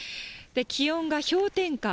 気温が氷点下